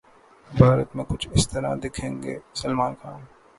بھارت 'میں کچھ اس طرح دکھیں گے سلمان خان'